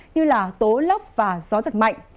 như tố lốc và gió giật mạnh